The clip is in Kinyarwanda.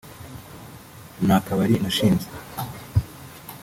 Nta kabari nashinze